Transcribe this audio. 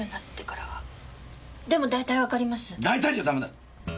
大体じゃダメだ！